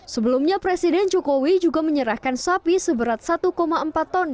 sebelumnya presiden jokowi juga menyerahkan sapi seberat satu empat ton